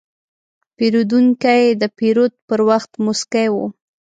پیرودونکی د پیرود پر وخت موسکی و.